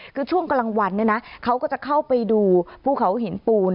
คือช่วงกลางวันเนี่ยนะเขาก็จะเข้าไปดูภูเขาหินปูน